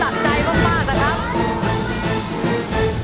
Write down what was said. ผมรู้เลยว่ากรรมการเริ่มตัดใจมากนะครับ